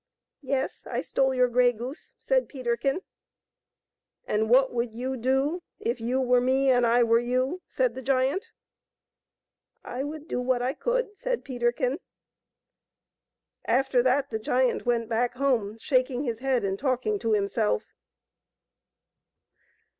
" Yes ; I stole your grey goose, said Peterkin. " And what would you do if you were me and I were you ? said the giant. " I would do what I could, said Peterkin. After that the giant went back home, shaking his head and talking to himself.